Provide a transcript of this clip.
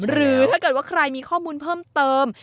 หรือถ้าเกิดว่าใครมีข้อมูลเพิ่มเติม